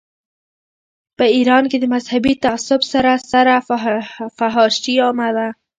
په ایران کې د مذهبي تعصب سره سره فحاشي عامه وه.